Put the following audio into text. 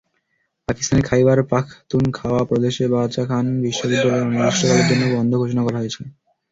পাকিস্তানের খাইবার পাখতুনখাওয়া প্রদেশের বাচা খান বিশ্ববিদ্যালয় অনির্দিষ্টকালের জন্য বন্ধ ঘোষণা করা হয়েছে।